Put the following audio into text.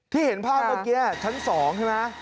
เห็นภาพเมื่อกี้ชั้น๒ใช่ไหม